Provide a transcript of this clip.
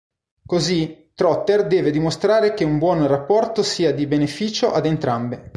Così Trotter deve dimostrare che un buon rapporto sia di beneficio ad entrambe.